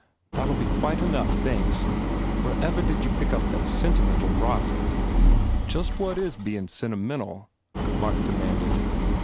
"That ll be quite enough, thanks! Wherever did you pick up that sentimental rot?" "Just what is bein sentimental?" Mark demanded.